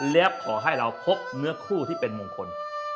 แล้วขอให้เราพบเนื้อคู่ที่เป็นมงคล